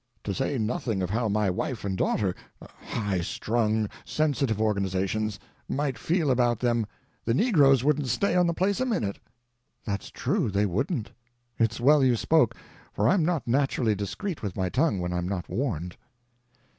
To say nothing of how my wife and daughter—high strung, sensitive organizations—might feel about them, the negroes wouldn't stay on the place a minute." "That's true, they wouldn't. It's well you spoke, for I'm not naturally discreet with my tongue when I'm not warned."